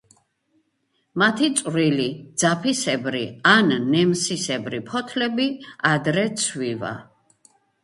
მათი წვრილი, ძაფისებრი ან ნემსისებრი ფოთლები ადრე ცვივა.